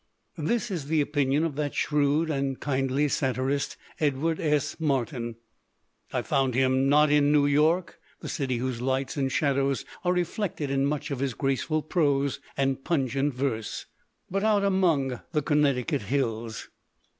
This is the opinion of that shrewd and kindly satirist, Edward S. Martin. I found him not in New York, the city whose lights and shadows are reflected in much of his graceful prose and pun gent verse, but out among the Connecticut hills.